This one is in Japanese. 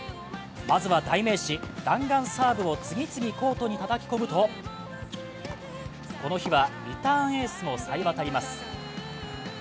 まずは代名詞、弾丸サーブを次々コートにたたき込むと、この日はリターンエースも冴え渡ります。